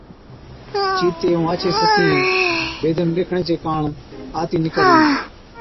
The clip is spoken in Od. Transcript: چِيتي ائُون آڇين سَسِيئَين بيدي نُون ڏيکڻي چي ڪاڻ آتِي نِڪرلين۔